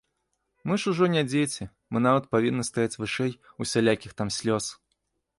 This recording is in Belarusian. Мы ж ужо не дзеці, мы нават павінны стаяць вышэй усялякіх там слёз.